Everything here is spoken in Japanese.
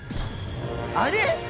あれ？